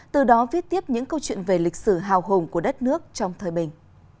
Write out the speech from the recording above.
từ đó viết tiếp những câu chuyện về lịch sử hào hùng của đất nước trong thời bình